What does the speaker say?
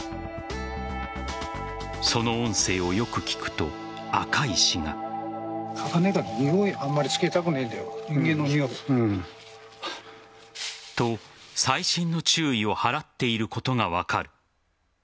その音声をよく聞くと、赤石が。と、細心の注意を払っていることが分かる。